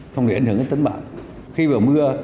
không để ảnh hưởng đến tính mạng